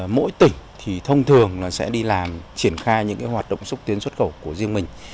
mỗi tỉnh thì thông thường sẽ đi làm triển khai những hoạt động xúc tiến xuất khẩu của riêng mình